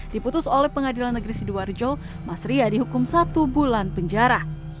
diputus oleh pengadilan negeri sidoarjo mas ria dihukum satu bulan penjara